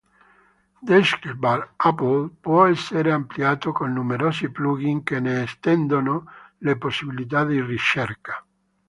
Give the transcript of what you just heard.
Deskbar-applet può essere ampliato con numerosi plugin che ne estendono le possibilità di ricerca.